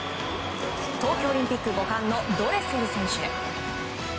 東京オリンピック５冠のドレセル選手。